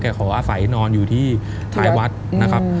ขออาศัยนอนอยู่ที่ท้ายวัดนะครับ